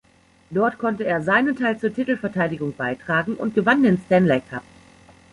Dort konnte er seinen Teil zur Titelverteidigung beitragen und gewann den Stanley Cup.